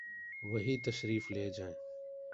وہی تشریف لے جائیں۔